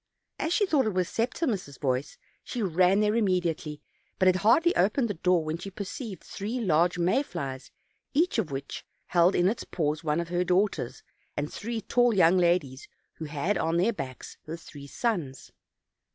As she thought it was Septimus' voice, she ran there immediately; but had hardly opened the door when she perceived three large may flies, each of which held in its paws one of her daughters; and three tall young ladies who had on their backs her three sons.